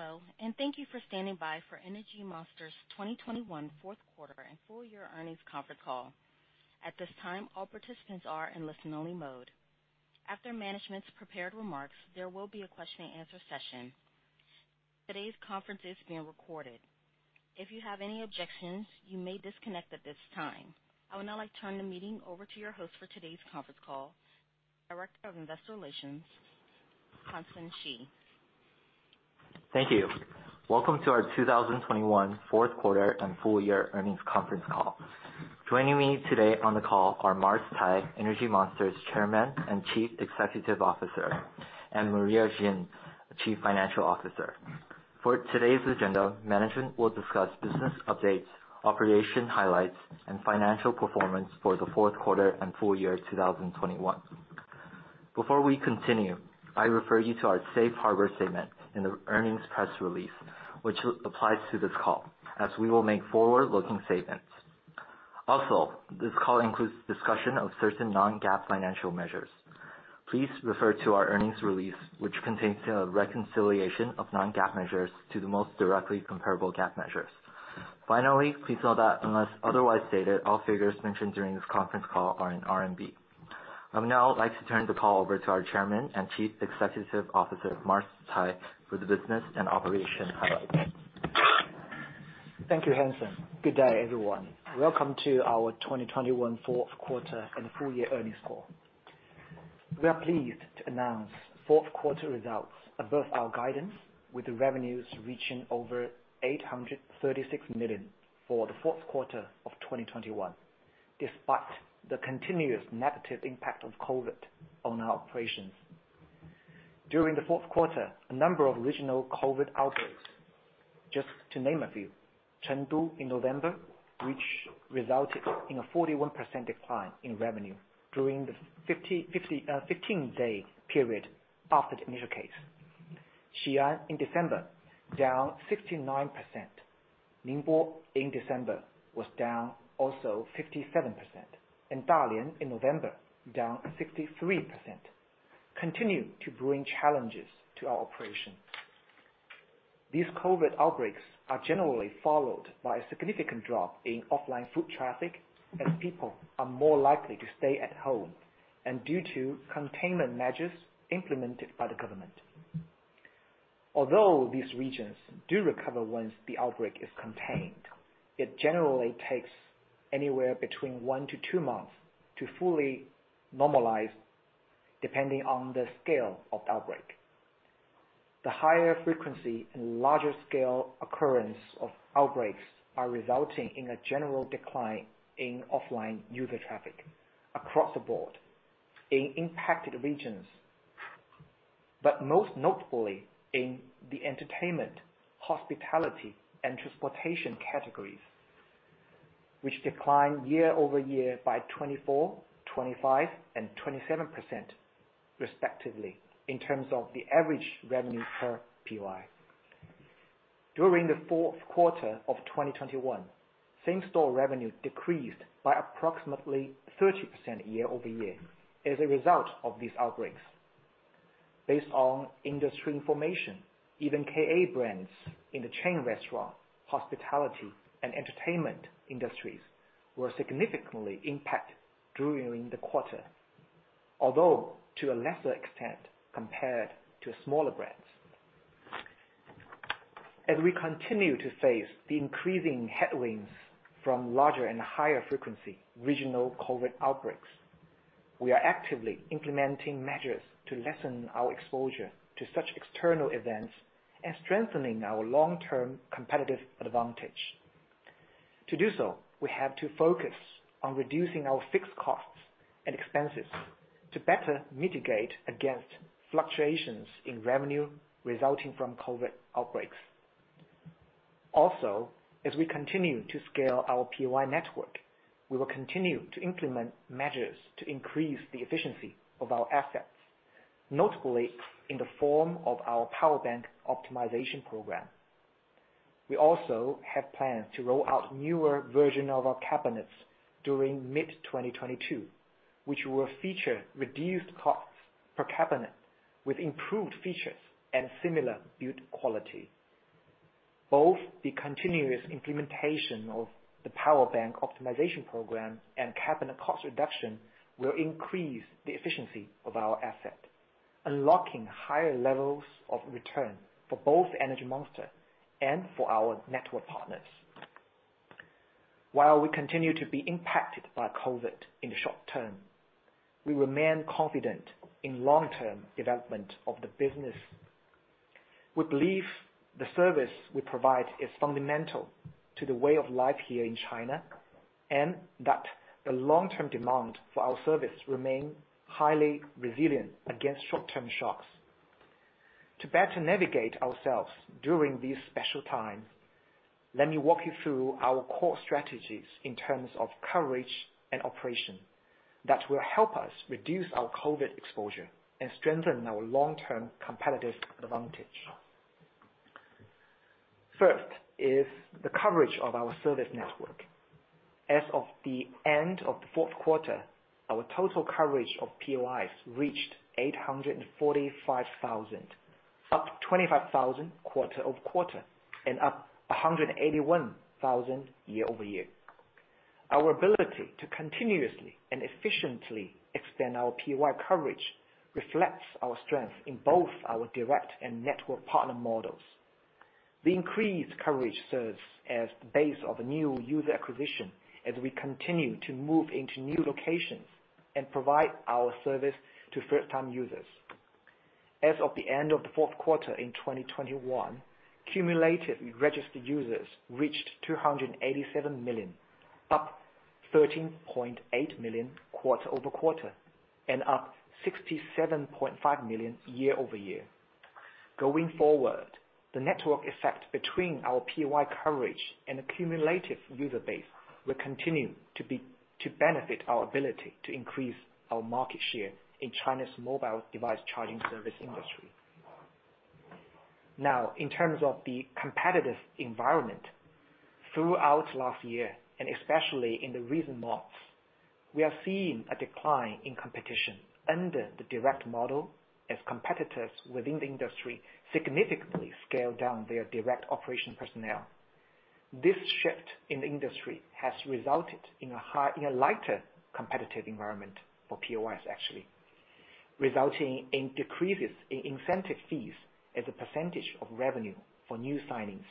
Hello, and thank you for standing by for Energy Monster's 2021 fourth quarter and full year earnings conference call. At this time, all participants are in listen-only mode. After management's prepared remarks, there will be a question-and-answer session. Today's conference is being recorded. If you have any objections, you may disconnect at this time. I would now like to turn the meeting over to your host for today's conference call, Director of Investor Relations, Hansen Shi. Thank you. Welcome to our 2021 fourth quarter and full year earnings conference call. Joining me today on the call are Mars Cai, Energy Monster's Chairman and Chief Executive Officer, and Maria Xin, Chief Financial Officer. For today's agenda, management will discuss business updates, operation highlights, and financial performance for the fourth quarter and full year 2021. Before we continue, I refer you to our safe harbor statement in the earnings press release, which applies to this call as we will make forward-looking statements. Also, this call includes discussion of certain non-GAAP financial measures. Please refer to our earnings release, which contains a reconciliation of non-GAAP measures to the most directly comparable GAAP measures. Finally, please note that unless otherwise stated, all figures mentioned during this conference call are in RMB. I would now like to turn the call over to our Chairman and Chief Executive Officer, Mars Cai, for the business and operation highlights. Thank you, Hansen. Good day, everyone. Welcome to our 2021 fourth quarter and full year earnings call. We are pleased to announce fourth quarter results above our guidance, with the revenues reaching over 836 million for the fourth quarter of 2021, despite the continuous negative impact of COVID on our operations. During the fourth quarter, a number of regional COVID outbreaks, just to name a few. Chengdu in November, which resulted in a 41% decline in revenue during the fifteen-day period after the initial case. Xian in December, down 69%. Ningbo in December was down also 57%. Dalian in November, down 63%, continue to bring challenges to our operation. These COVID outbreaks are generally followed by a significant drop in offline foot traffic, as people are more likely to stay at home and due to containment measures implemented by the government. Although these regions do recover once the outbreak is contained, it generally takes anywhere between one-two months to fully normalize depending on the scale of the outbreak. The higher frequency and larger scale occurrence of outbreaks are resulting in a general decline in offline user traffic across the board in impacted regions. Most notably in the entertainment, hospitality, and transportation categories, which declined year-over-year by 24%, 25%, and 27%, respectively, in terms of the average revenue per POI. During the fourth quarter of 2021, same-store revenue decreased by approximately 30% year-over-year as a result of these outbreaks. Based on industry information, even KA brands in the chain restaurant, hospitality, and entertainment industries were significantly impacted during the quarter, although to a lesser extent compared to smaller brands. As we continue to face the increasing headwinds from larger and higher frequency regional COVID outbreaks, we are actively implementing measures to lessen our exposure to such external events and strengthening our long-term competitive advantage. To do so, we have to focus on reducing our fixed costs and expenses to better mitigate against fluctuations in revenue resulting from COVID outbreaks. Also, as we continue to scale our POI network, we will continue to implement measures to increase the efficiency of our assets, notably in the form of our power bank optimization program. We also have plans to roll out newer version of our cabinets during mid-2022, which will feature reduced costs per cabinet with improved features and similar build quality. Both the continuous implementation of the power bank optimization program and cabinet cost reduction will increase the efficiency of our asset, unlocking higher levels of return for both Energy Monster and for our network partners. While we continue to be impacted by COVID in the short term, we remain confident in long-term development of the business. We believe the service we provide is fundamental to the way of life here in China, and that the long-term demand for our service remain highly resilient against short-term shocks. To better navigate ourselves during these special times, let me walk you through our core strategies in terms of coverage and operation that will help us reduce our COVID exposure and strengthen our long-term competitive advantage. First is the coverage of our service network. As of the end of the fourth quarter, our total coverage of POIs reached 845,000, up 25,000 quarter-over-quarter and up 181,000 year-over-year. Our ability to continuously and efficiently expand our POI coverage reflects our strength in both our direct and network partner models. The increased coverage serves as the base of new user acquisition as we continue to move into new locations and provide our service to first-time users. As of the end of the fourth quarter of 2021, cumulative registered users reached 287 million, up 13.8 million quarter-over-quarter and up 67.5 million year-over-year. Going forward, the network effect between our POI coverage and accumulative user base will continue to benefit our ability to increase our market share in China's mobile device charging service industry. Now, in terms of the competitive environment, throughout last year and especially in the recent months, we are seeing a decline in competition under the direct model as competitors within the industry significantly scale down their direct operation personnel. This shift in the industry has resulted in a lighter competitive environment for POIs actually, resulting in decreases in incentive fees as a percentage of revenue for new signings.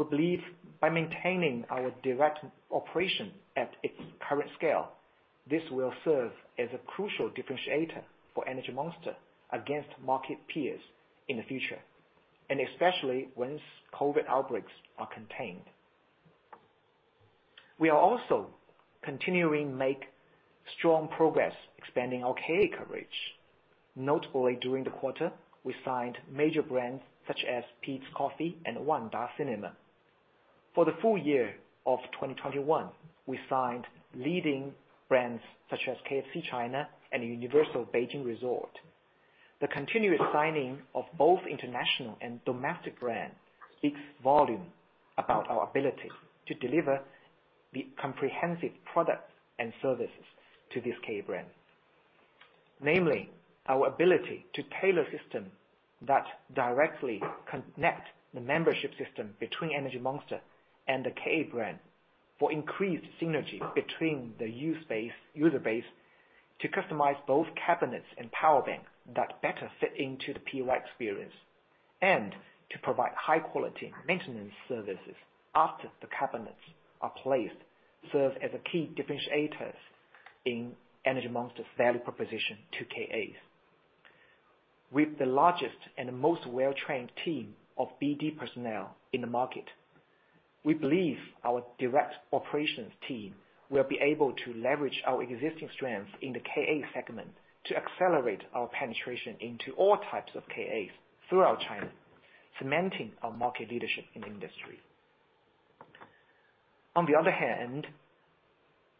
We believe by maintaining our direct operation at its current scale, this will serve as a crucial differentiator for Energy Monster against market peers in the future, and especially once COVID outbreaks are contained. We are also continuing make strong progress expanding our KA coverage. Notably, during the quarter, we signed major brands such as Peet's Coffee and Wanda Cinemas. For the full year of 2021, we signed leading brands such as KFC China and Universal Beijing Resort. The continuous signing of both international and domestic brand speaks volume about our ability to deliver the comprehensive products and services to these KA brands. Namely, our ability to tailored system that directly connects the membership system between Energy Monster and the KA brand for increased synergy between the user base to customize both cabinets and power banks that better fit into the POI experience and to provide high-quality maintenance services after the cabinets are placed, serves as a key differentiator in Energy Monster's value proposition to KAs. With the largest and most well-trained team of BD personnel in the market, we believe our direct operations team will be able to leverage our existing strengths in the KA segment to accelerate our penetration into all types of KAs throughout China, cementing our market leadership in the industry. On the other hand,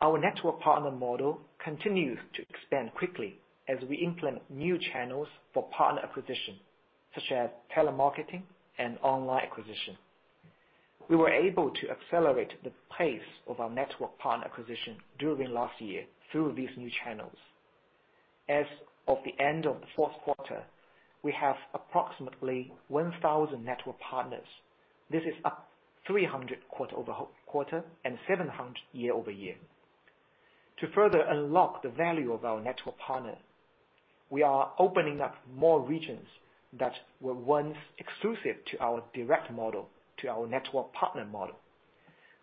our network partner model continues to expand quickly as we implement new channels for partner acquisition, such as telemarketing and online acquisition. We were able to accelerate the pace of our network partner acquisition during last year through these new channels. As of the end of the fourth quarter, we have approximately 1,000 network partners. This is up 300 quarter-over-quarter and 700 year-over-year. To further unlock the value of our network partner, we are opening up more regions that were once exclusive to our direct model, to our network partner model.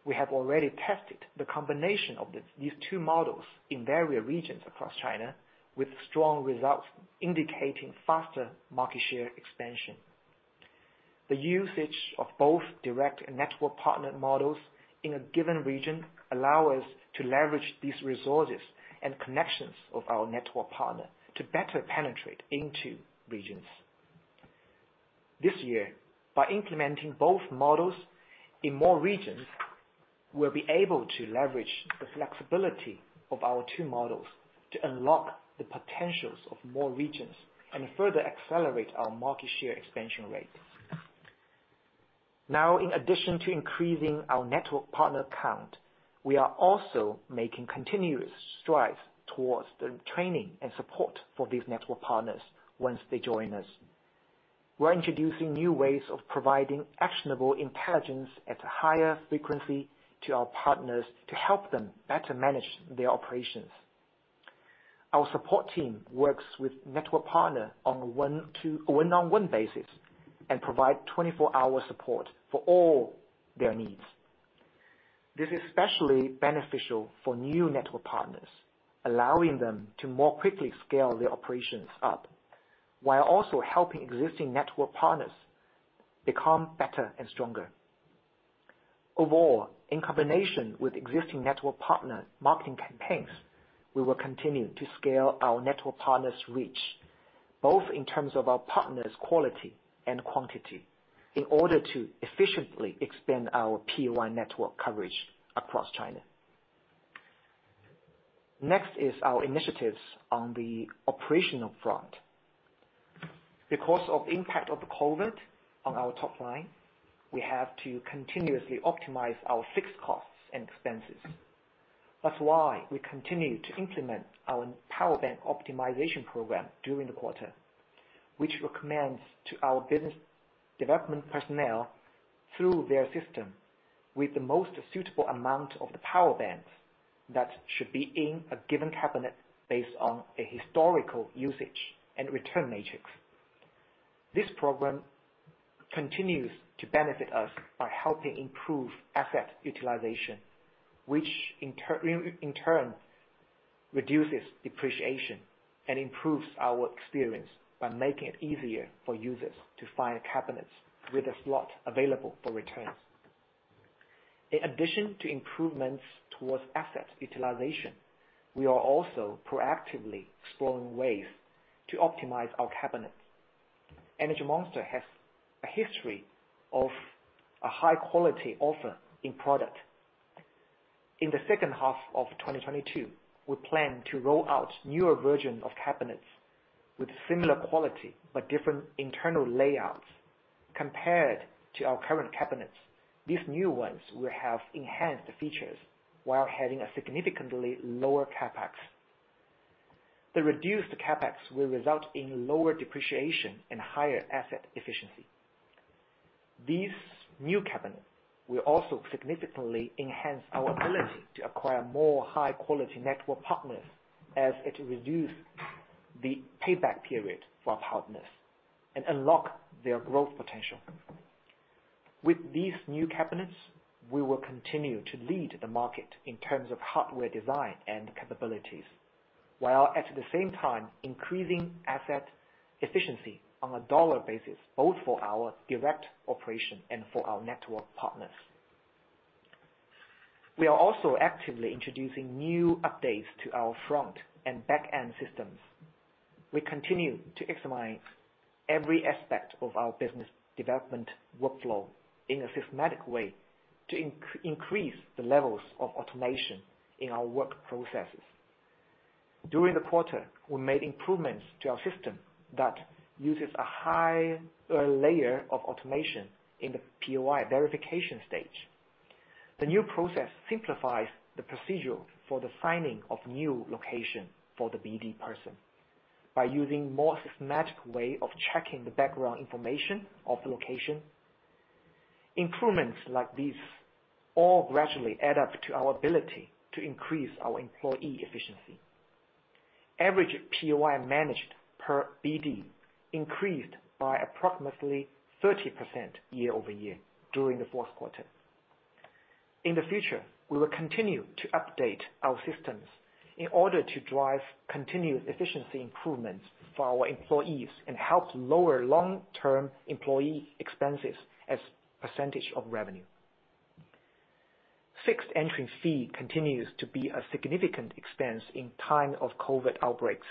We have already tested the combination of these two models in various regions across China, with strong results indicating faster market share expansion. The usage of both direct and network partner models in a given region allow us to leverage these resources and connections of our network partner to better penetrate into regions. This year, by implementing both models in more regions, we'll be able to leverage the flexibility of our two models to unlock the potentials of more regions and further accelerate our market share expansion rate. Now, in addition to increasing our network partner count, we are also making continuous strides towards the training and support for these network partners once they join us. We're introducing new ways of providing actionable intelligence at a higher frequency to our partners to help them better manage their operations. Our support team works with network partners on a one-on-one basis and provides 24-hour support for all their needs. This is especially beneficial for new network partners, allowing them to more quickly scale their operations up while also helping existing network partners become better and stronger. Overall, in combination with existing network partner marketing campaigns, we will continue to scale our network partners' reach, both in terms of our partners' quality and quantity, in order to efficiently expand our POI network coverage across China. Next is our initiatives on the operational front. Because of impact of the COVID on our top line, we have to continuously optimize our fixed costs and expenses. That's why we continue to implement our power bank optimization program during the quarter, which recommends to our business development personnel through their system with the most suitable amount of the power banks that should be in a given cabinet based on a historical usage and return matrix. This program continues to benefit us by helping improve asset utilization, which in turn reduces depreciation and improves our experience by making it easier for users to find cabinets with a slot available for returns. In addition to improvements towards asset utilization, we are also proactively exploring ways to optimize our cabinets. Energy Monster has a history of a high quality offer in product. In the second half of 2022, we plan to roll out newer version of cabinets with similar quality but different internal layouts compared to our current cabinets. These new ones will have enhanced features while having a significantly lower CapEx. The reduced CapEx will result in lower depreciation and higher asset efficiency. These new cabinets will also significantly enhance our ability to acquire more high quality network partners as it reduces the payback period for our partners and unlock their growth potential. With these new cabinets, we will continue to lead the market in terms of hardware design and capabilities, while at the same time increasing asset efficiency on a dollar basis, both for our direct operation and for our network partners. We are also actively introducing new updates to our front and back-end systems. We continue to optimize every aspect of our business development workflow in a systematic way to increase the levels of automation in our work processes. During the quarter, we made improvements to our system that uses a higher layer of automation in the POI verification stage. The new process simplifies the procedure for the finding of new location for the BD person by using more systematic way of checking the background information of the location. Improvements like these all gradually add up to our ability to increase our employee efficiency. Average POI managed per BD increased by approximately 30% year-over-year during the fourth quarter. In the future, we will continue to update our systems in order to drive continuous efficiency improvements for our employees and help lower long-term employee expenses as percentage of revenue. Fixed entry fee continues to be a significant expense in times of COVID outbreaks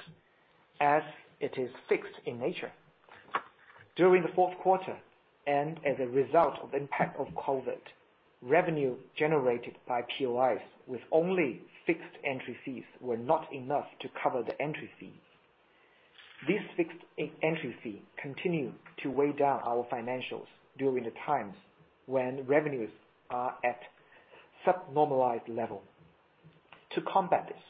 as it is fixed in nature. During the fourth quarter, as a result of impact of COVID, revenue generated by POIs with only fixed entry fees were not enough to cover the entry fees. These fixed entry fees continue to weigh down our financials during the times when revenues are at sub-normalized level. To combat this,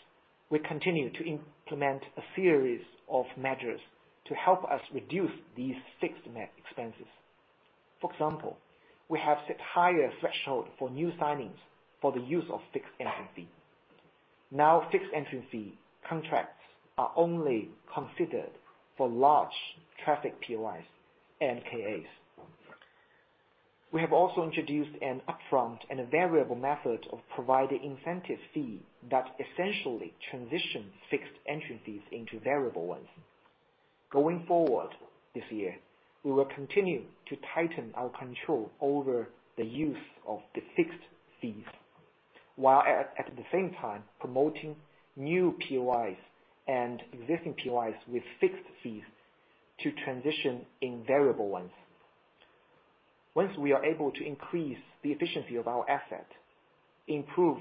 we continue to implement a series of measures to help us reduce these fixed net expenses. For example, we have set higher threshold for new signings for the use of fixed entry fee. Now, fixed entry fee contracts are only considered for large traffic POIs and KAs. We have also introduced an upfront and a variable method of providing incentive fee that essentially transitions fixed entry fees into variable ones. Going forward this year, we will continue to tighten our control over the use of the fixed fees, while at the same time promoting new POIs and existing POIs with fixed fees to transition in variable ones. Once we are able to increase the efficiency of our asset, improve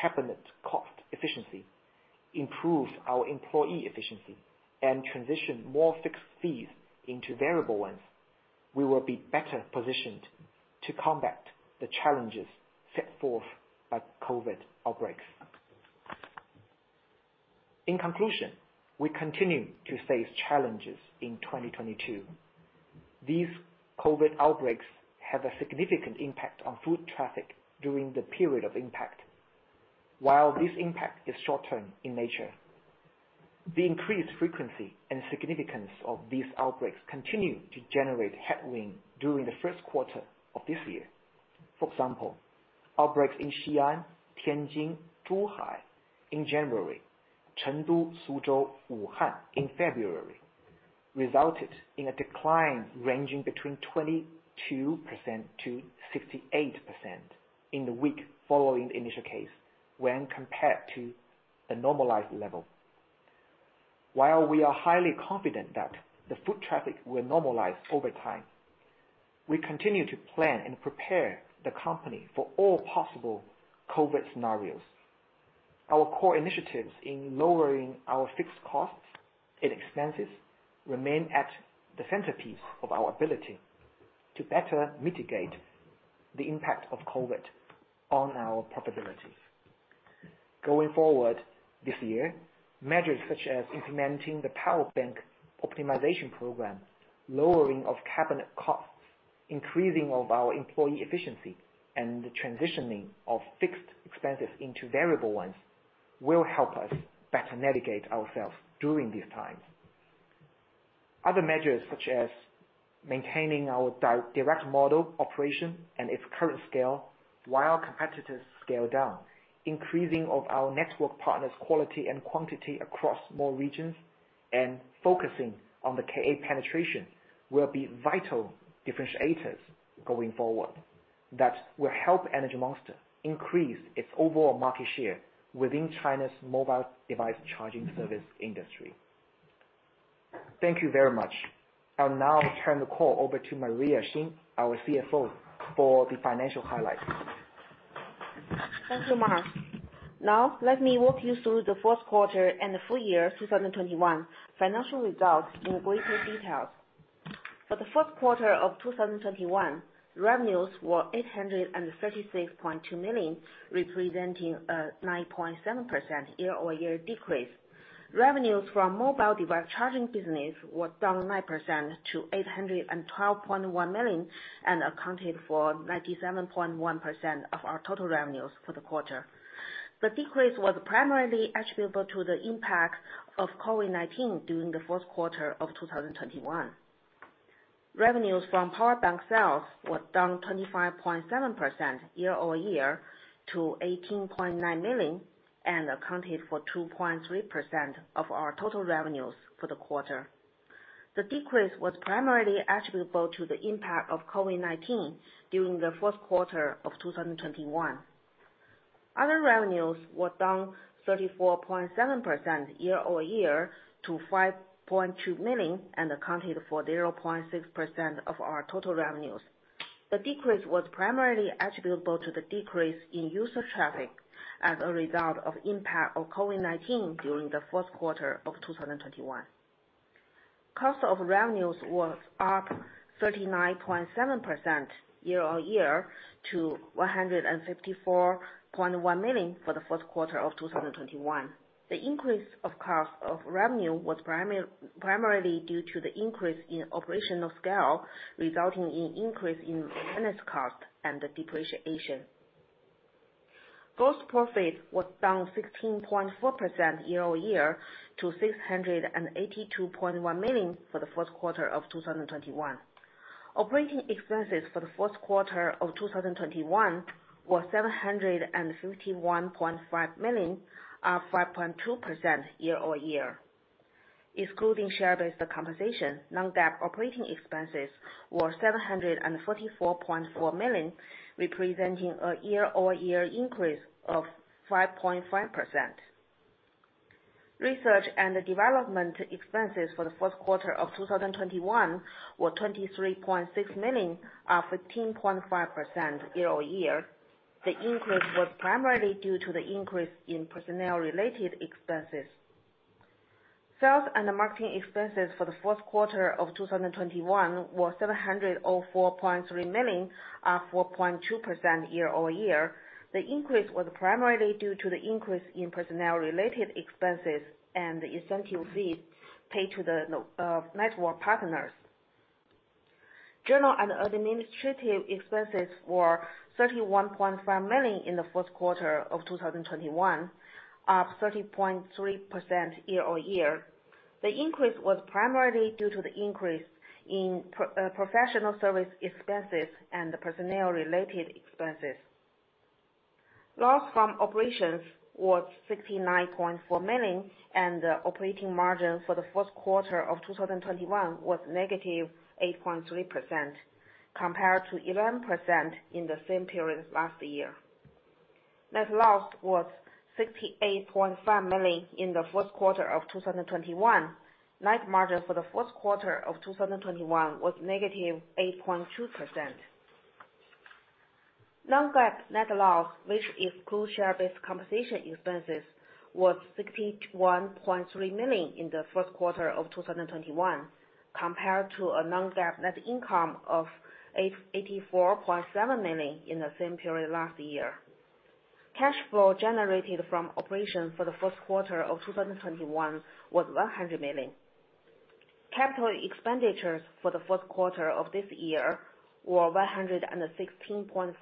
cabinet cost efficiency, improve our employee efficiency, and transition more fixed fees into variable ones, we will be better positioned to combat the challenges set forth by COVID outbreaks. In conclusion, we continue to face challenges in 2022. These COVID outbreaks have a significant impact on foot traffic during the period of impact. While this impact is short-term in nature, the increased frequency and significance of these outbreaks continue to generate headwind during the first quarter of this year. For example, outbreaks in Xian, Tianjin, Zhuhai in January, Chengdu, Suzhou, Wuhan in February, resulted in a decline ranging between 22%-68% in the week following the initial case when compared to a normalized level. While we are highly confident that the foot traffic will normalize over time, we continue to plan and prepare the company for all possible COVID scenarios. Our core initiatives in lowering our fixed costs and expenses remain at the centerpiece of our ability to better mitigate the impact of COVID on our profitability. Going forward this year, measures such as implementing the power bank optimization program, lowering of cabinet costs, increasing of our employee efficiency, and the transitioning of fixed expenses into variable ones will help us better navigate ourselves during these times. Other measures such as maintaining our direct model operation and its current scale while competitors scale down, increasing of our network partners quality and quantity across more regions, and focusing on the KA penetration, will be vital differentiators going forward that will help Energy Monster increase its overall market share within China's mobile device charging service industry. Thank you very much. I'll now turn the call over to Maria Xin, our CFO, for the financial highlights. Thank you, Mars. Now, let me walk you through the fourth quarter and the full year 2021 financial results in greater detail. For the fourth quarter of 2021, revenues were 836.2 million, representing a 9.7% year-over-year decrease. Revenues from mobile device charging business was down 9% to 812.1 million, and accounted for 97.1% of our total revenues for the quarter. The decrease was primarily attributable to the impact of COVID-19 during the fourth quarter of 2021. Revenues from power bank sales were down 25.7% year-over-year to 18.9 million, and accounted for 2.3% of our total revenues for the quarter. The decrease was primarily attributable to the impact of COVID-19 during the fourth quarter of 2021. Other revenues were down 34.7% year-over-year to 5.2 million, and accounted for 0.6% of our total revenues. The decrease was primarily attributable to the decrease in user traffic as a result of impact of COVID-19 during the fourth quarter of 2021. Cost of revenues was up 39.7% year-over-year to 154.1 million for the first quarter of 2021. The increase of cost of revenue was primarily due to the increase in operational scale, resulting in increase in maintenance cost and depreciation. Gross profit was down 16.4% year-over-year to 682.1 million for the fourth quarter of 2021. Operating expenses for the fourth quarter of 2021 were 751.5 million, up 5.2% year-over-year. Excluding share-based compensation, non-GAAP operating expenses were 744.4 million, representing a year-over-year increase of 5.5%. Research and development expenses for the first quarter of 2021 were 23.6 million, up 15.5% year-over-year. The increase was primarily due to the increase in personnel-related expenses. Sales and marketing expenses for the fourth quarter of 2021 were 704.3 million, up 4.2% year-over-year. The increase was primarily due to the increase in personnel-related expenses and the incentive fees paid to the network partners. General and administrative expenses were 31.5 million in the fourth quarter of 2021, up 30.3% year-over-year. The increase was primarily due to the increase in professional service expenses and the personnel-related expenses. Loss from operations was 69.4 million, and operating margin for the fourth quarter of 2021 was -8.3%, compared to 11% in the same period last year. Net loss was 68.5 million in the first quarter of 2021. Net margin for the first quarter of 2021 was -8.2%. Non-GAAP net loss, which excludes share-based compensation expenses, was 61.3 million in the first quarter of 2021, compared to a non-GAAP net income of 84.7 million in the same period last year. Cash flow generated from operations for the first quarter of 2021 was 100 million. Capital expenditures for the fourth quarter of this year were 116.5 million.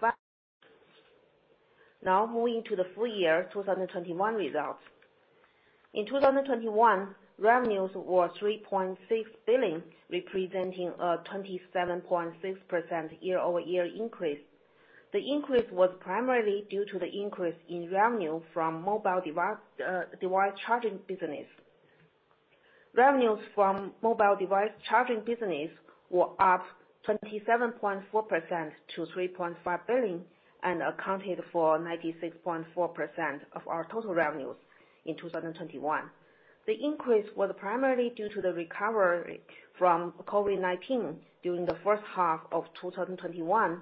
Now moving to the full year 2021 results. In 2021, revenues were 3.6 billion, representing a 27.6% year-over-year increase. The increase was primarily due to the increase in revenue from mobile device charging business. Revenues from mobile device charging business were up 27.4% to 3.5 billion and accounted for 96.4% of our total revenues in 2021. The increase was primarily due to the recovery from COVID-19 during the first half of 2021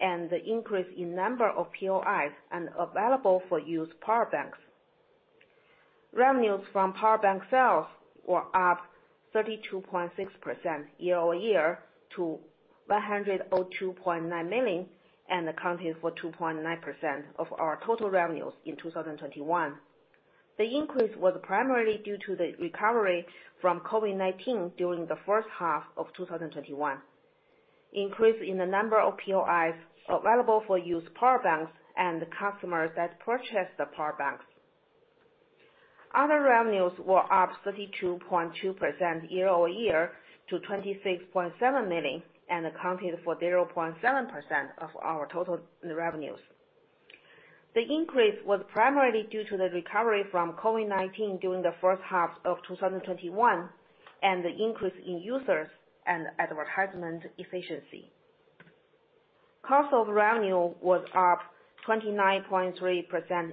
and the increase in number of POIs and available for use power banks. Revenues from power bank sales were up 32.6% year-over-year to 102.9 million and accounted for 2.9% of our total revenues in 2021. The increase was primarily due to the recovery from COVID-19 during the first half of 2021, increase in the number of POIs available for use power banks and the customers that purchased the power banks. Other revenues were up 32.2% year-over-year to 26.7 million and accounted for 0.7% of our total revenues. The increase was primarily due to the recovery from COVID-19 during the first half of 2021 and the increase in users and advertisement efficiency. Cost of revenue was up 29.3%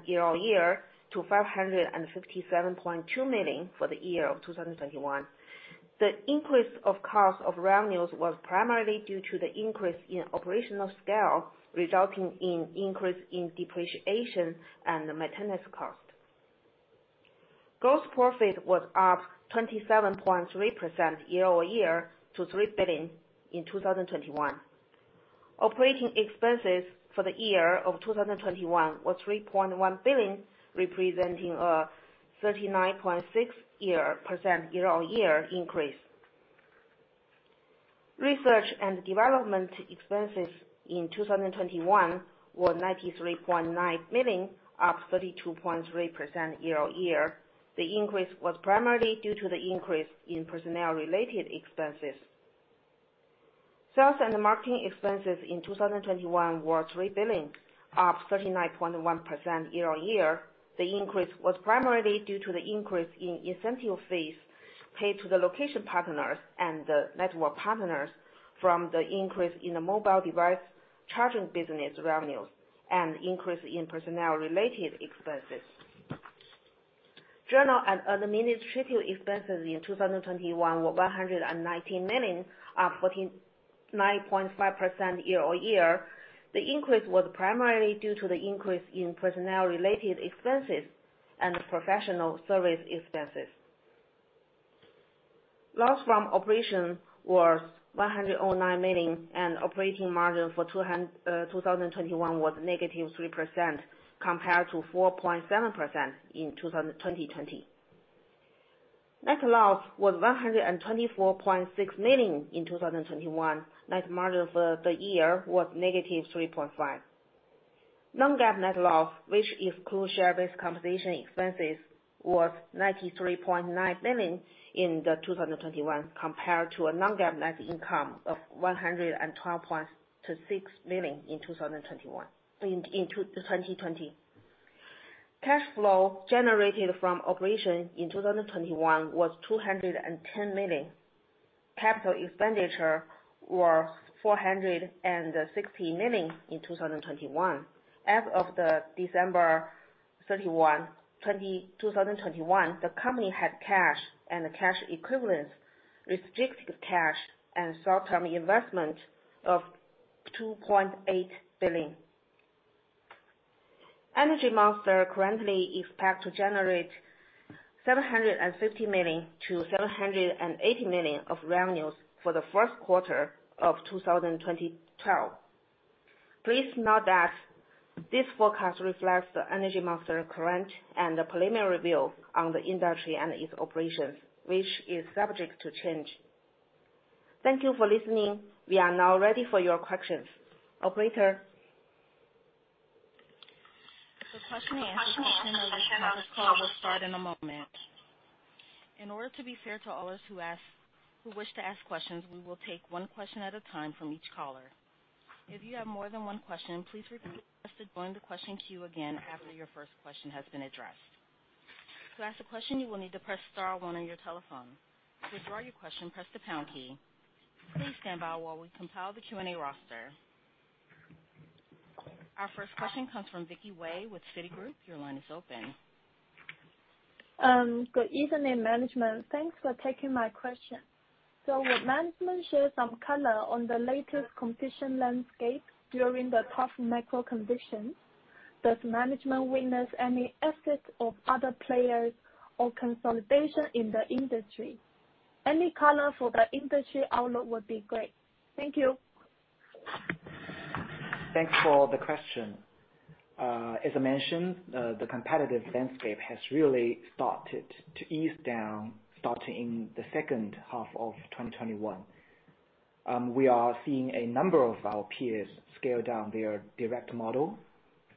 year-over-year to 557.2 million for the year 2021. The increase of cost of revenues was primarily due to the increase in operational scale, resulting in increase in depreciation and the maintenance cost. Gross profit was up 27.3% year-over-year to 3 billion in 2021. Operating expenses for the year 2021 was 3.1 billion, representing a 39.6% year-over-year increase. Research and development expenses in 2021 were 93.9 million, up 32.3% year-over-year. The increase was primarily due to the increase in personnel-related expenses. Sales and marketing expenses in 2021 were 3 billion, up 39.1% year-over-year. The increase was primarily due to the increase in incentive fees paid to the location partners and the network partners from the increase in the mobile device charging business revenues and increase in personnel-related expenses. General and administrative expenses in 2021 were, 119 million, up 149.5% year-over-year. The increase was primarily due to the increase in personnel-related expenses and professional service expenses. Loss from operation was 109 million, and operating margin for 2021 was -3% compared to 4.7% in 2020. Net loss was 124.6 million in 2021. Net margin for the year was -3.5%. Non-GAAP net loss, which excludes share-based compensation expenses, was 93.9 million in 2021, compared to a non-GAAP net income of 112.6 million in 2020. Cash flow generated from operations in 2021 was 210 million. Capital expenditure were 460 million in 2021. As of December 31, 2021, the company had cash and cash equivalents, restricted cash and short-term investment of 2.8 billion. Energy Monster currently expects to generate 750 million-780 million of revenues for the first quarter of 2022. Please note that this forecast reflects the Energy Monster current and the preliminary view on the industry and its operations, which is subject to change. Thank you for listening. We are now ready for your questions. Operator? The questioning and answer portion of this conference call will start in a moment. In order to be fair to all those who wish to ask questions, we will take one question at a time from each caller. If you have more than one question, please request to join the question queue again after your first question has been addressed. To ask a question, you will need to press star one on your telephone. To withdraw your question, press the pound key. Please stand by while we compile the Q&A roster. Our first question comes from Vicky Wei with Citigroup. Your line is open. Good evening, management. Thanks for taking my question. Would management share some color on the latest competition landscape during the tough macro conditions? Does management witness any exits of other players or consolidation in the industry? Any color for the industry outlook would be great. Thank you. Thanks for the question. As I mentioned, the competitive landscape has really started to ease down, starting the second half of 2021. We are seeing a number of our peers scale down their direct model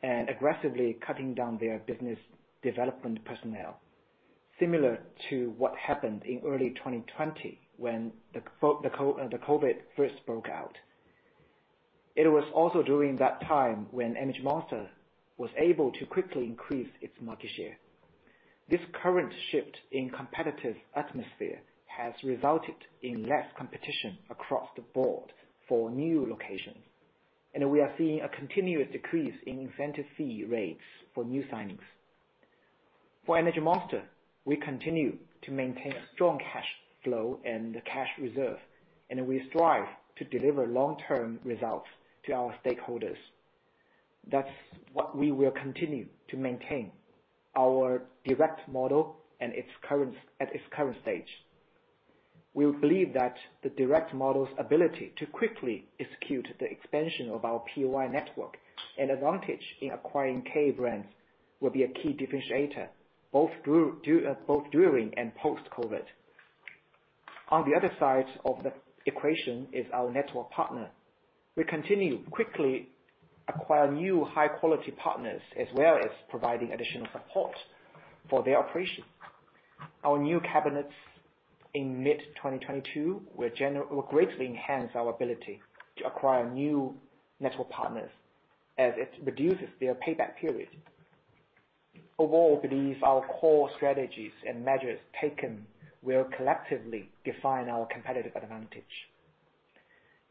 and aggressively cutting down their business development personnel, similar to what happened in early 2020 when the COVID first broke out. It was also during that time when Energy Monster was able to quickly increase its market share. This current shift in competitive atmosphere has resulted in less competition across the board for new locations, and we are seeing a continuous decrease in incentive fee rates for new signings. For Energy Monster, we continue to maintain a strong cash flow and cash reserve, and we strive to deliver long-term results to our stakeholders. That's what we will continue to maintain our direct model and its current stage. We believe that the direct model's ability to quickly execute the expansion of our POI network and advantage in acquiring key brands will be a key differentiator both during and post-COVID. On the other side of the equation is our network partner. We continue to quickly acquire new high-quality partners, as well as providing additional support for their operation. Our new cabinets in mid-2022 will greatly enhance our ability to acquire new network partners as it reduces their payback period. Overall, we believe our core strategies and measures taken will collectively define our competitive advantage.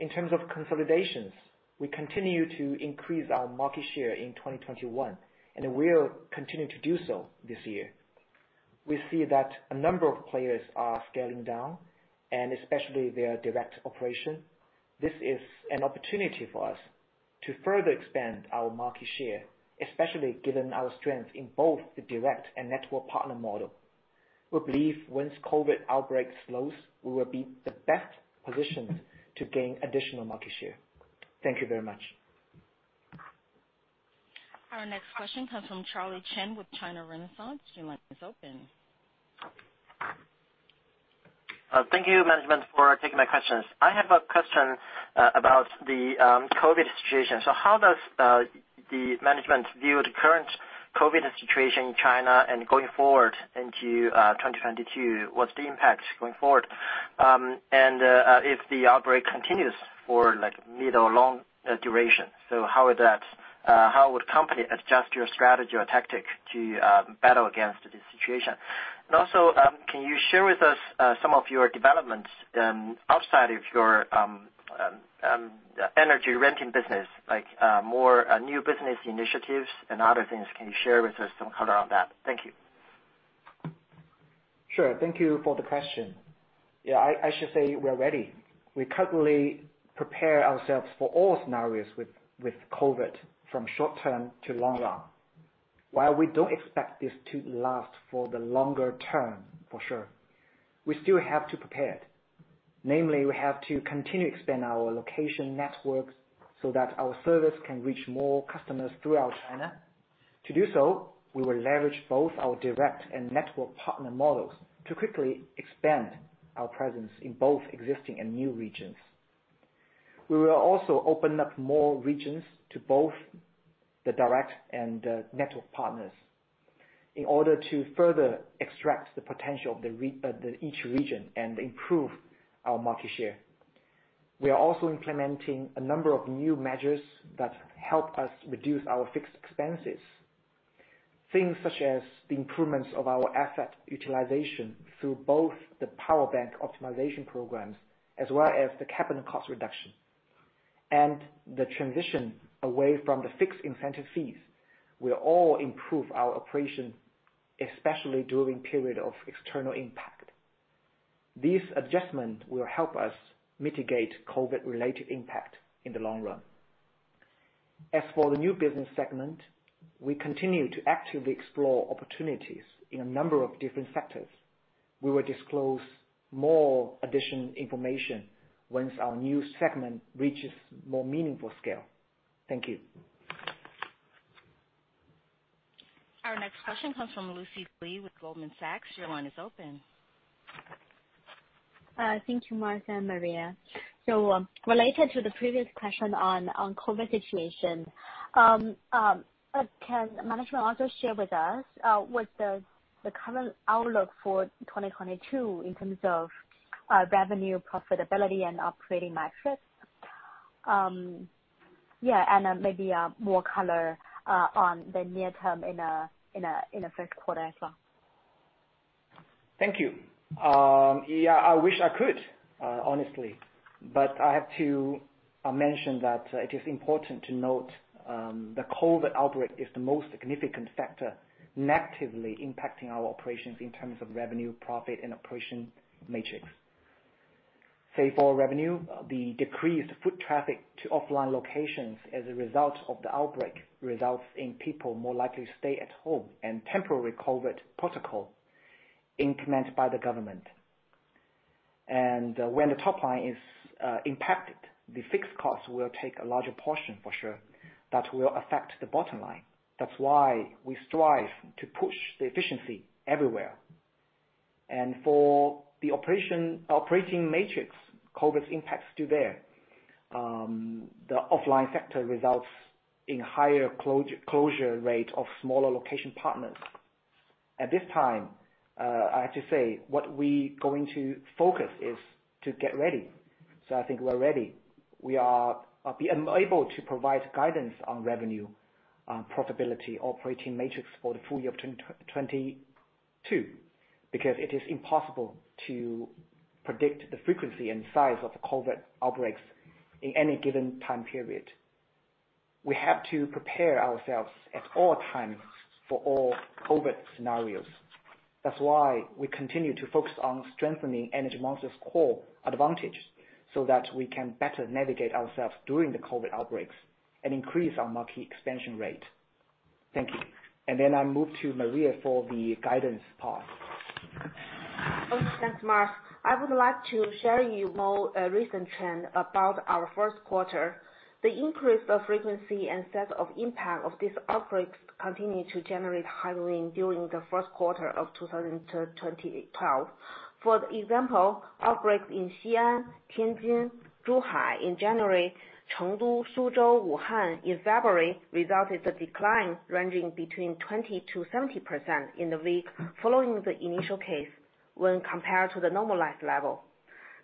In terms of consolidations, we continue to increase our market share in 2021, and we'll continue to do so this year. We see that a number of players are scaling down, and especially their direct operation. This is an opportunity for us to further expand our market share, especially given our strength in both the direct and network partner model. We believe once COVID outbreak slows, we will be best positioned to gain additional market share. Thank you very much. Our next question comes from Charlie Chen with China Renaissance. Your line is open. Thank you, management, for taking my questions. I have a question about the COVID situation. How does the management view the current COVID situation in China and going forward into 2022? What's the impact going forward? If the outbreak continues for, like, mid or long duration, how would company adjust your strategy or tactic to battle against this situation? Can you share with us some of your developments outside of your energy renting business? Like more new business initiatives and other things. Can you share with us some color on that? Thank you. Sure. Thank you for the question. Yeah, I should say we're ready. We currently prepare ourselves for all scenarios with COVID, from short-term to long run. While we don't expect this to last for the longer term for sure, we still have to prepare. Namely, we have to continue expand our location networks so that our service can reach more customers throughout China. To do so, we will leverage both our direct and network partner models to quickly expand our presence in both existing and new regions. We will also open up more regions to both the direct and network partners in order to further extract the potential of the each region and improve our market share. We are also implementing a number of new measures that help us reduce our fixed expenses. Things such as the improvements of our asset utilization through both the power bank optimization programs as well as the cabinet cost reduction. The transition away from the fixed incentive fees will all improve our operation, especially during period of external impact. These adjustments will help us mitigate COVID-related impact in the long run. As for the new business segment, we continue to actively explore opportunities in a number of different sectors. We will disclose more additional information once our new segment reaches more meaningful scale. Thank you. Our next question comes from Lucy Li with Goldman Sachs. Your line is open. Thank you, Mars Cai and Maria Xin. Related to the previous question on COVID situation, can management also share with us what the current outlook for 2022 in terms of revenue profitability and operating metrics? Yeah, maybe more color on the near term in the first quarter as well. Thank you. Yeah, I wish I could, honestly, but I have to mention that it is important to note the COVID outbreak is the most significant factor negatively impacting our operations in terms of revenue, profit, and operating metrics. Say, for revenue, the decreased foot traffic to offline locations as a result of the outbreak results in people more likely stay at home and temporary COVID protocol implemented by the government. When the top line is impacted, the fixed cost will take a larger portion for sure that will affect the bottom line. That's why we strive to push the efficiency everywhere. For the operation, operating metrics, COVID's impact is still there. The offline sector results in higher closure rate of smaller location partners. At this time, I have to say what we going to focus is to get ready. I think we're ready. I'll be unable to provide guidance on revenue, on profitability, operating metrics for the full year of 2022, because it is impossible to predict the frequency and size of the COVID outbreaks in any given time period. We have to prepare ourselves at all times for all COVID scenarios. That's why we continue to focus on strengthening Energy Monster's core advantage, so that we can better navigate ourselves during the COVID outbreaks and increase our market expansion rate. Thank you. I move to Maria for the guidance part. Okay, thanks, Mars Cai. I would like to share you more recent trend about our first quarter. The increase of frequency and severity of impact of this outbreak continued to generate headwind during the first quarter of 2022. For example, outbreaks in Xian, Tianjin, Zhuhai in January, Chengdu, Suzhou, Wuhan in February resulted in a decline ranging between 20%-70% in the week following the initial case when compared to the normalized level.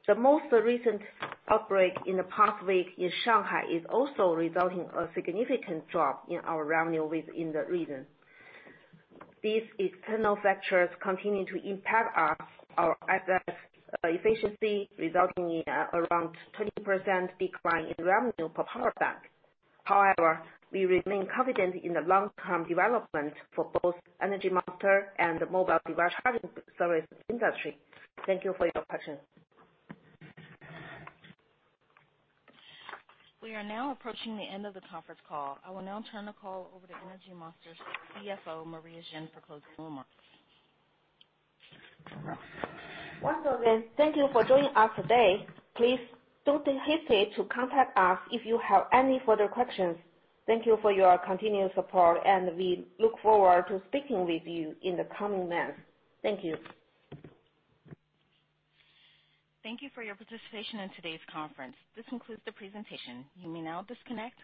The most recent outbreak in the past week in Shanghai is also resulting in a significant drop in our revenue within the region. These external factors continue to impact us, our assets efficiency, resulting in around 20% decline in revenue per power bank. However, we remain confident in the long-term development for both Energy Monster and the mobile device charging service industry. Thank you for your question. We are now approaching the end of the conference call. I will now turn the call over to Energy Monster's CFO, Maria Xin, for closing remarks. Once again, thank you for joining us today. Please don't hesitate to contact us if you have any further questions. Thank you for your continued support, and we look forward to speaking with you in the coming months. Thank you. Thank you for your participation in today's conference. This concludes the presentation. You may now disconnect.